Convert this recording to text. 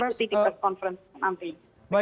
silakan diikuti di press conference nanti